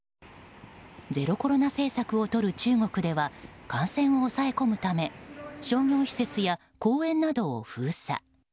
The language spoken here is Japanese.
ゼロコロナ政策をとる中国では感染を抑え込むため商業施設や公園などを封鎖。